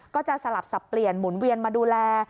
สลับสับเปลี่ยนหมุนเวียนมาดูแล